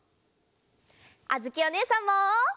あづきおねえさんも！